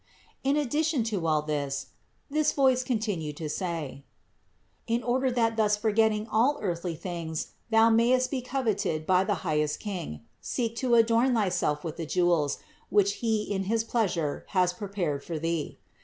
19. "In addition to all this" (this voice continued to say) "in order that thus forgetting all earthly things thou mayest be coveted by the highest King, seek to adorn thyself with the jewels, which He in his pleasure has prepared for thee.